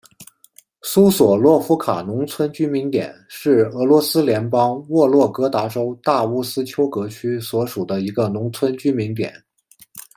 苏索洛夫卡农村居民点是俄罗斯联邦沃洛格达州大乌斯秋格区所属的一个农村居民点。